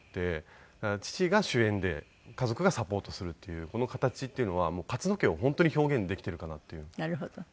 だから父が主演で家族がサポートするっていうこの形っていうのは勝野家を本当に表現できているかなっていうふうに思います。